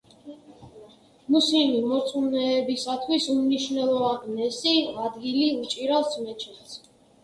მუსლიმი მორწმუნეებისათვის უმნიშვნელოვანესი ადგილი უჭირავს მეჩეთს.